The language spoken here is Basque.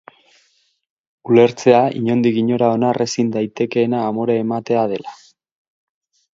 Ulertzea inondik inora onar ezin daitekeena amore ematea dela.